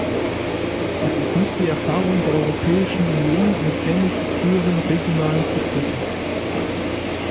Das ist nicht die Erfahrung der Europäischen Union mit ähnlichen früheren regionalen Prozessen.